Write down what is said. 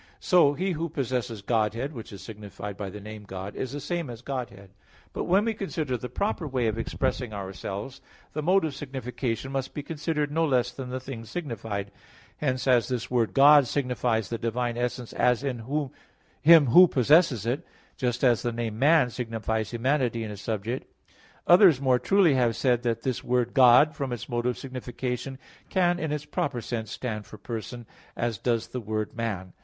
So He who possesses Godhead, which is signified by the name God, is the same as Godhead. But when we consider the proper way of expressing ourselves, the mode of signification must be considered no less than the thing signified. Hence as this word "God" signifies the divine essence as in Him Who possesses it, just as the name "man" signifies humanity in a subject, others more truly have said that this word "God," from its mode of signification, can, in its proper sense, stand for person, as does the word "man."